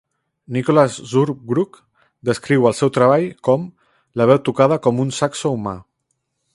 Nicholas Zurbrugg descriu el seu treball com "la veu tocada com un saxo humà".